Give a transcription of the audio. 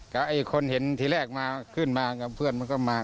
ก็ไอ้คนเห็นทีแรกมาขึ้นมากับเพื่อนมันก็มา